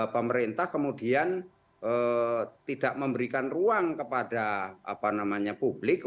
pemerintah kemudian tidak memberikan ruang kepada publik